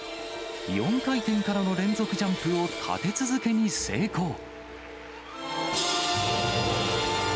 ４回転からの連続ジャンプを立て続けに成功。